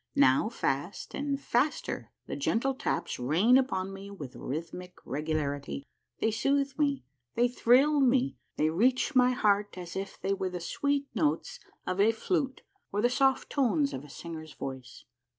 Now fast and faster the gentle taps rain upon me with rhythmic regularity. They soothe me, they thrill me, they reach my heart as if they were the sweet notes of a flute or the soft tones of a singer's voice.